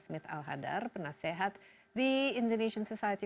smith alhadar penasehat di indonesian society